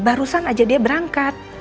barusan ajak dia berangkat